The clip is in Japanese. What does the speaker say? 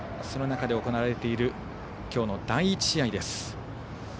その中で行われている今日の第１試合です。